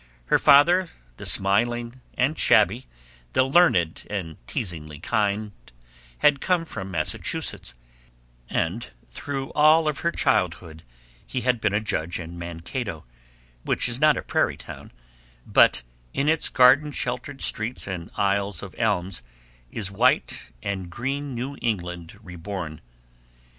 Her father, the smiling and shabby, the learned and teasingly kind, had come from Massachusetts, and through all her childhood he had been a judge in Mankato, which is not a prairie town, but in its garden sheltered streets and aisles of elms is white and green New England reborn.